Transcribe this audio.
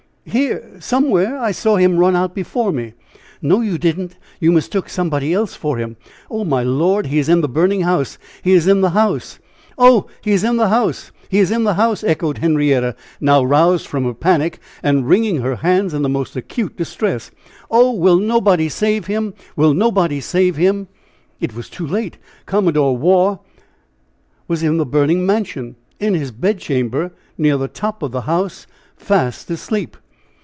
Here, somewhere. I saw him run out before me." "No, you didn't! You mistook somebody else for him. Oh, my Lord! he is in the burning house! he is in the house!" "Oh, he is in the house! he is in the house!" echoed Henrietta, now roused from her panic, and wringing her hands in the most acute distress. "Oh! will nobody save him! will nobody save him!" It was too late! Commodore Waugh was in the burning mansion, in his bedchamber, near the top of the house, fast asleep!